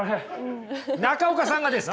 中岡さんがですか？